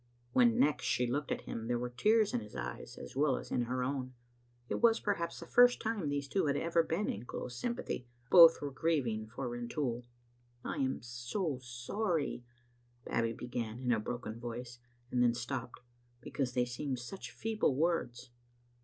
When next she looked at him, there were tears in his eyes as well as in her own. It was i)erhaps the first time these two had ever been in close sympathy. Both were grieving for Rintoul. "I am so sorry," Babbie began in a broken voice; then stopped, because they seemed such feeble words.